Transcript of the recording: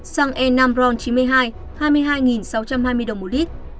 xăng e năm ron chín mươi hai hai mươi hai sáu trăm hai mươi đồng một lít